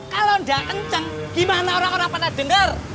kalau nggak kenceng gimana orang orang pada denger